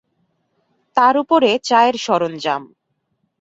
তার উপরে চায়ের সরঞ্জাম।